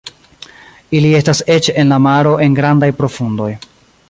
Ili estas eĉ en la maro en grandaj profundoj.